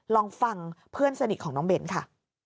ลองฟังเพื่อนสนิทของน้องเบ้นค่ะ